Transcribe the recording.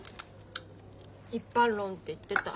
一般論って言ってた。